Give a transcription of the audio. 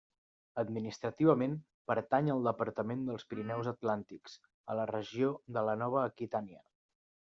Administrativament pertany al departament dels Pirineus Atlàntics, a la regió de la Nova Aquitània.